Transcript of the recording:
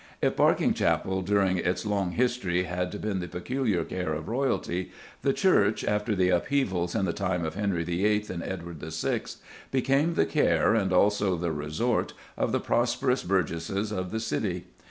If Berkinge Chapel during its long history had been the peculiar care of royalty, the church, after the upheavals in the time of Henry VIII. and Edward VI., became the care, and also the resort, of the prosperous burgesses of the City.